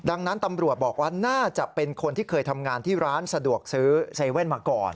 ดังนั้นตำรวจบอกว่าน่าจะเป็นคนที่เคยทำงานที่ร้านสะดวกซื้อ๗๑๑มาก่อน